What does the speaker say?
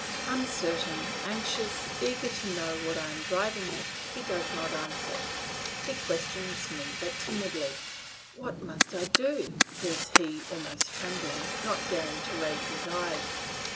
Uncertain, anxious, eager to know what I am driving at, he does not answer, he questions me but timidly. "What must I do?" says he almost trembling, not daring to raise his eyes.